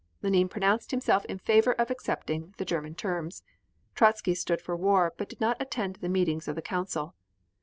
Lenine pronounced himself in favor of accepting the German terms; Trotzky stood for war, but did not attend the meetings of the Council.